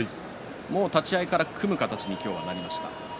もう立ち合いから組む形に今日は、なりました。